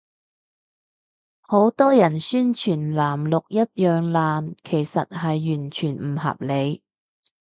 好多人宣傳藍綠一樣爛，其實係完全唔合理